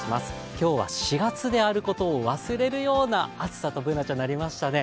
今日は４月であることを忘れるような暑さとＢｏｏｎａちゃん、なりましたね。